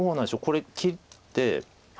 これ切って。